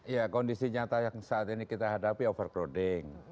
ya kondisi nyata yang saat ini kita hadapi overcrowding